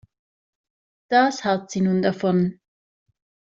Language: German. Das hat sie nun davon.